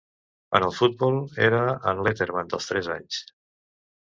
En el futbol, era en Letterman dels tres anys.